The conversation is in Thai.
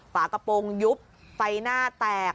ฝากระโปรงยุบไฟหน้าแตก